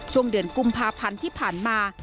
ช่วงเดือนกุมภาพันธ์ที่ผ่านมา